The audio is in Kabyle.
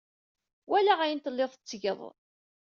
Walaɣ ayen telliḍ tetteggeḍ.